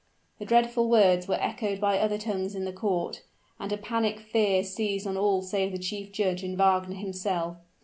The dreadful words were echoed by other tongues in the court; and a panic fear seized on all save the chief judge and Wagner himself.